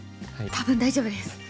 多分大丈夫です。